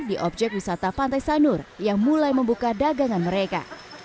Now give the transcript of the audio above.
di objek wisata pantai sanur yang mulai membuka dagangan mereka